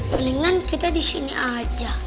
palingan kita di sini aja